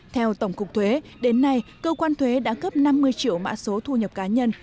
theo tổng cục thuế đến nay cơ quan thuế đã cấp năm mươi triệu mã số thu nhập cá nhân